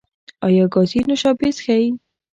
ایا ګازي نوشابې څښئ؟